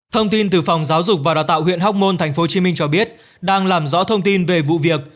thông tin từ phòng giáo dục và đào tạo huyện hóc môn tp hcm cho biết đang làm rõ thông tin về vụ việc